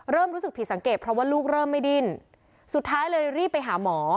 รู้สึกผิดสังเกตเพราะว่าลูกเริ่มไม่ดิ้นสุดท้ายเลยรีบไปหาหมอ